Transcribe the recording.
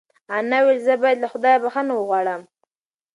انا وویل چې زه باید له خدایه بښنه وغواړم.